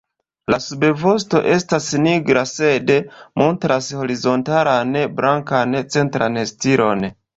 La subvosto estas nigra sed montras horizontalan blankan centran strion.